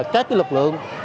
các lực lượng